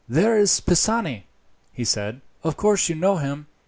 "There is Pisani," he said. "Of course you know him.